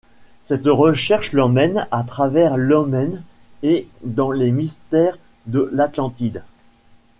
Cette recherche l'emmène à travers l'emmène et dans les mystère de l'Atlantide.